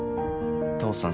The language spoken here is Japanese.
父さん